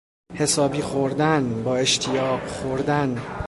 حسابی خوردن، با اشتیاق خوردن